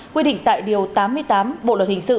quy định tại điều tám mươi tám bộ luật hình sự